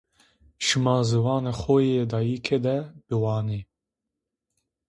Şima ziwanê xo yê dayîke de biwanê